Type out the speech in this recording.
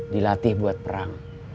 dilatih buat perang